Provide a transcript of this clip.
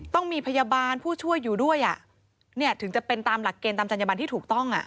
ต้องมีพยาบาลผู้ช่วยอยู่ด้วยถึงจะเป็นตามหลักเกณฑ์ตามจัญญบันที่ถูกต้อง